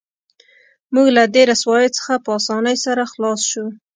موږ له دې رسوایۍ څخه په اسانۍ سره خلاص شو